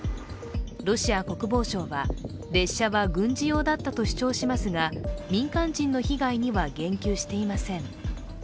ロシア国防省は、列車は軍事用だったと主張しますが、民間人の被害には言及していません。